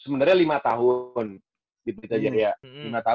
sebenernya lima tahun di pelita jaya